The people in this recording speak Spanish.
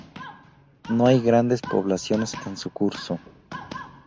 No hay grandes poblaciones en su curso.